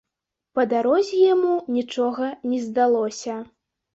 Па дарозе яму нічога не здалося.